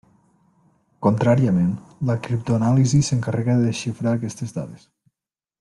Contràriament, la criptoanàlisi s'encarrega de desxifrar aquestes dades.